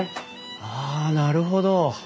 ああなるほど。